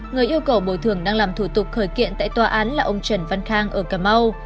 người yêu cầu bồi thường đang làm thủ tục khởi kiện tại tòa án là ông trần văn khang ở cà mau